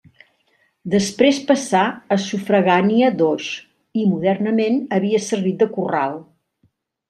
Després passà a sufragània d'Oix, i modernament havia servit de corral.